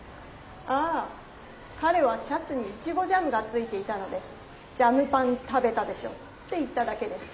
あぁかれはシャツにイチゴジャムがついていたので「ジャムパン食べたでしょ」って言っただけです。